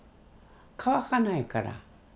乾かないから。